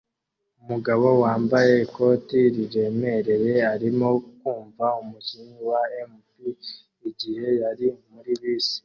Umugabo wambaye ikote riremereye arimo kumva umukinnyi wa MP igihe yari muri bisi